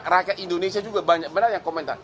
rakyat indonesia juga banyak benar yang komentar